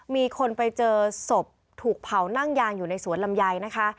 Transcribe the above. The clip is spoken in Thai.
มีคนไปเจอศพถูกเผานั่งยางอยู่ในสวนลำไยนะคะ